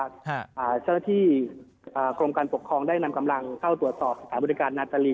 เจ้าหน้าที่กรมการปกครองได้นำกำลังเข้าตรวจสอบสถานบริการนาตาลี